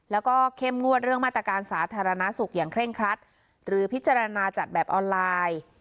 แล้วก็เข้มงวดเรื่องมาตรการสาธารณสุขอย่างเคร่งครัดหรือพิจารณาจัดแบบออนไลน์